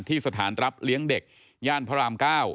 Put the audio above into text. ที่สถานรับเลี้ยงเด็กย่านพระราม๙